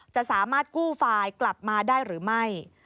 จะสามารถกู้ไฟล์กลับมาได้หรือไม่